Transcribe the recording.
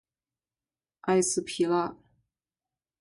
埃斯皮拉。